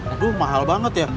aduh mahal banget ya